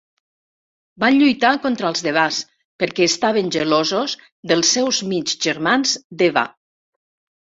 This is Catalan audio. Van lluitar contar els Devas perquè estaven gelosos dels seus mig germans Deva.